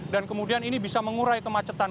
dan kemudian ini bisa mengurai kemacetan